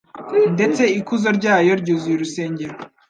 ndetse ikuzo ryayo ryuzuye urusengero.